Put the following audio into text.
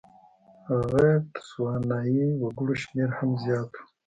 غیر تسوانایي وګړو شمېر هم زیات و.